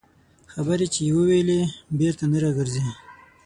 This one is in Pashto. خبره چې ووېلې، بېرته نه راګرځي